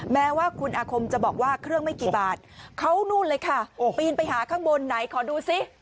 แม้ว่าคุณอาคมจะบอกว่าเครื่องไม่กี่บาทเขานู่นเลยค่ะปีนไปหาข้างบนไหนขอดูซิ